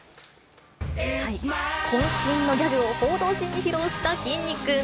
こん身のギャグを報道陣に披露したきんに君。